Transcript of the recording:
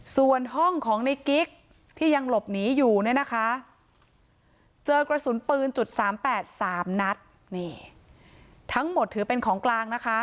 ส่วนห้องของในกิ๊กที่ยังหลบหนีอยู่เนี่ยนะคะเจอกระสุนปืนจุด๓๘๓นัดนี่ทั้งหมดถือเป็นของกลางนะคะ